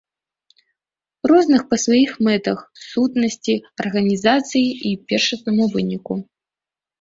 Розных па сваіх мэтах, сутнасці, арганізацыі і першаснаму выніку.